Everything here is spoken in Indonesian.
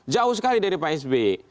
jauh sekali dari pak s b